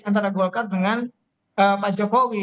antara golkar dengan pak jokowi